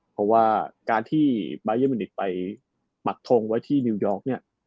เพราะว่าการที่บายันมิวนิกไปปักทงไว้ที่นิวยอร์กเนี่ย